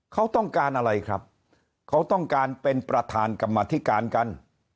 เขาต้องการอะไรครับเขาต้องการเป็นประธานกรรมธิการกัน